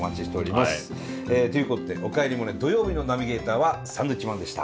ということで「おかえりモネ」土曜日のナビゲーターはサンドウィッチマンでした。